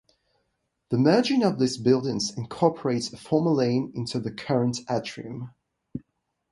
The merging of these buildings incorporates a former lane into the current Atrium.